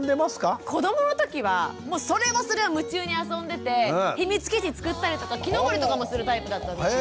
子どもの時はもうそれはそれは夢中にあそんでて秘密基地作ったりとか木登りとかもするタイプだったんですよ。